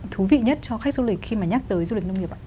thú vị nhất cho khách du lịch khi mà nhắc tới du lịch nông nghiệp ạ